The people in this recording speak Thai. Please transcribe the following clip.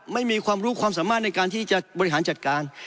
ไม่มีความรู้ความสามารถในการที่จะบริหารจัดการ